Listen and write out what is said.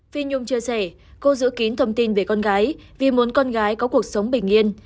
phi nhung chia sẻ cô giữ kín thông tin về con gái vì muốn con gái có cuộc sống bình yên